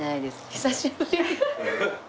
久しぶり。